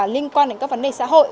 liên quan đến các vấn đề xã hội